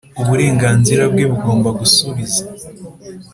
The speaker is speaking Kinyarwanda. uburenganzira bwe bugomba gusubiza